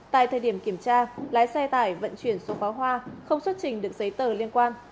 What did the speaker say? tại thời điểm kiểm tra lái xe tải vận chuyển số pháo hoa không xuất trình được giấy tờ liên quan